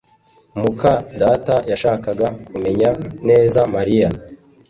muka data yashakaga kumenya neza Mariya